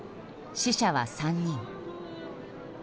死者は３人。